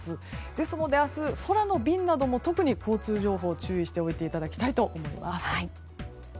ですので明日空の便なども特に交通情報注意しておいていただきたいと思います。